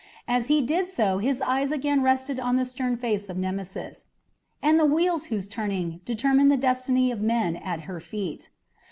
As he did so his eyes again rested on the stern face of Nemesis, and the wheel whose turning determined the destiny of men at her feet.